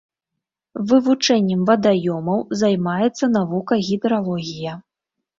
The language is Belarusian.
Вывучэннем вадаёмаў займаецца навука гідралогія.